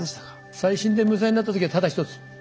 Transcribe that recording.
再審で無罪になったときはただ１つ！